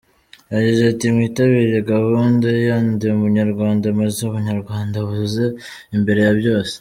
Yagize ati “Mwitabire gahunda ya Ndi Umunyarwanda, maze ubunyarwanda buze imbere ya byose.